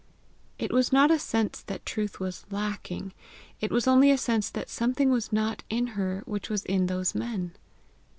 It was not a sense that truth was lacking; it was only a sense that something was not in her which was in those men.